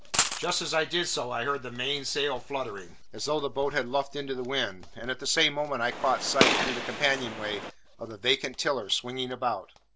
Just as I did so, I heard the mainsail fluttering, as though the boat had luffed into the wind; and at the same moment I caught sight, through the companion way, of the vacant tiller swinging about.